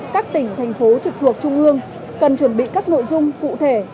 các tỉnh thành phố trực thuộc trung ương cần chuẩn bị các nội dung cụ thể